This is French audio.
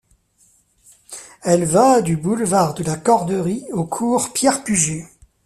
Elle va du boulevard de la Corderie au cours Pierre-Puget.